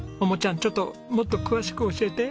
ちょっともっと詳しく教えて。